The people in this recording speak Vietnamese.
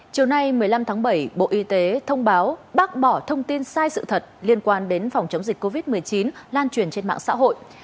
chiều nay một mươi năm tháng bảy bộ y tế thông báo bác bỏ thông tin sai sự thật liên quan đến phòng chống dịch covid một mươi chín lan truyền trên mạng xã hội